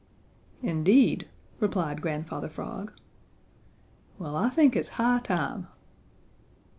"Indeed!" replied Grandfather Frog. "Well, I think it's high time."